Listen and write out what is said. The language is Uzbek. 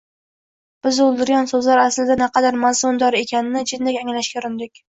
biz o‘ldirgan so‘zlar aslida naqadar mazmundor ekanini jindek anglashga urindik.